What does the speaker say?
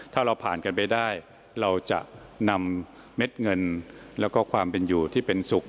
ถ้าเราผ่านกันไปได้เราจะนำเม็ดเงินแล้วก็ความเป็นอยู่ที่เป็นสุข